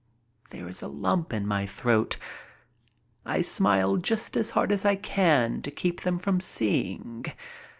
There is a lump in my throat. I smile just as hard as I can to keep them from seeing.